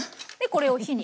これを火に。